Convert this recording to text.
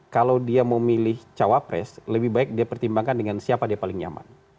kalau dia memilih cawapres lebih baik dia pertimbangkan dengan siapa dia paling nyaman